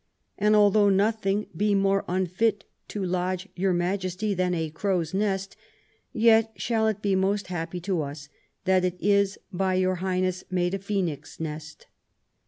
And although nothing be more unfit to lodge your Majesty than a crow's nest, yet shall it be most happy to us that it is by your Highness made a phoenix' nest."